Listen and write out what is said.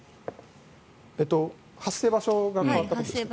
発生場所が変わったことですかね。